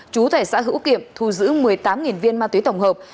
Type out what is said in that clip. trú thẻ xã hữu kiệm thu giữ một mươi tám viên ma túy tổng hợp